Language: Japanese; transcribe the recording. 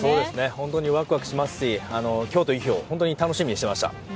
本当にワクワクしますし今日という日を本当に楽しみにしていました。